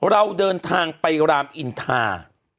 เราเดินทางไปรามอินทา